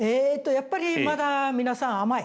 やっぱりまだ皆さん甘い。